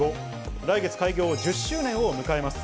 来月開業１０周年を迎えます。